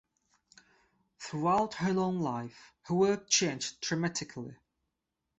Throughout her long life, her work changed dramatically.